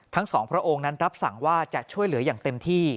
ทั้งสองพระองค์นั้นรับสั่งว่าจะช่วยเหลืออย่างเต็มที่